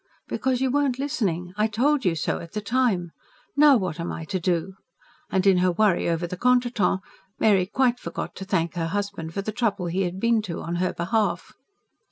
"Because you weren't listening. I told you so at the time. Now what am I to do?" and, in her worry over the contretemps, Mary quite forgot to thank her husband for the trouble he had been to on her behalf.